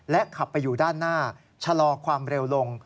ขับไปอยู่ด้านหน้าชะลอความเร็วลง